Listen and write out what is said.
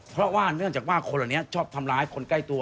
เพราะว่าเนื่องจากว่าคนเหล่านี้ชอบทำร้ายคนใกล้ตัว